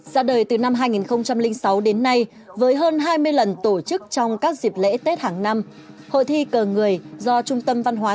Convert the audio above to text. ra đời từ năm hai nghìn sáu đến nay với hơn hai mươi lần tổ chức trong các dịp lễ tết hàng năm hội thi cờ người do trung tâm văn hóa